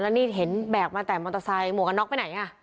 แล้วนี่เห็นแบกมาแต่มอเตอร์ไซค์หมวกกันน็อกไปไหนอ่ะ